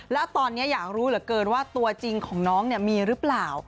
แล้วตอนนี้อยากรู้เหลือเกินว่าตัวจริงของน้องมีหรือเปล่า